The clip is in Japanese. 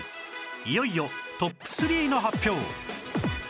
いよいよトップ３の発表